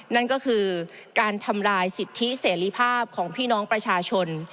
นั่นก็คือการทำลายสิทธิเสรีภาพของพี่น้องประชาชน